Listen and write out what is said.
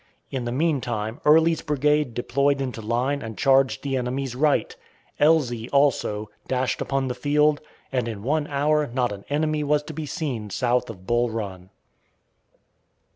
In the mean time Early's brigade deployed into line and charged the enemy's right; Elzey, also, dashed upon the field, and in one hour not an enemy was to be seen south of Bull Run.